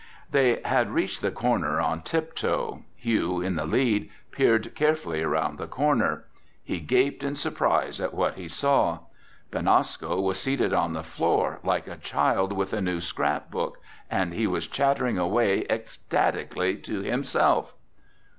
They had reached the corner on tiptoe. Hugh, in the lead, peered carefully around the corner. He gaped in surprise at what he saw: Benasco was seated on the floor like a child with a new scrapbook, and he was chattering away ecstatically to himself!